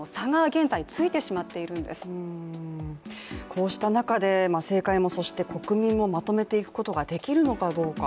こうした中で政界も、そして国民もまとめていくことができるのかどうか。